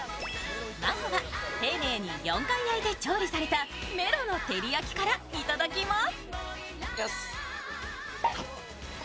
まずは丁寧に４回焼いて調理されたメロの照り焼きからいただきます。